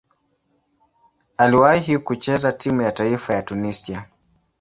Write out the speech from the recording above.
Aliwahi kucheza timu ya taifa ya Tunisia.